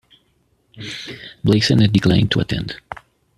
Blake Sennett declined to attend.